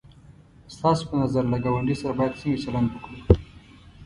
ستاسو په نظر له گاونډي سره باید څنگه چلند وکړو؟